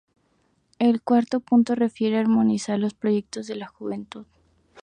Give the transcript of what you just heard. El cuarto punto refiera a armonizar los proyectos de la juventud.